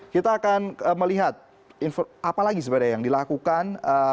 kita akan melihat apa lagi sebenarnya yang dilakukan